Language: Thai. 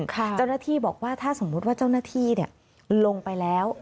จ้าวนาธิบอกว่าถ้าสมมติว่าจ้าวนาธิลงไปแล้ว